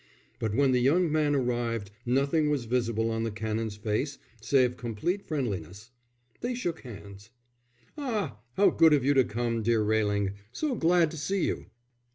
But when the young man arrived nothing was visible on the Canon's face save complete friendliness. They shook hands. "Ah, how good of you to come, dear Railing. So glad to see you."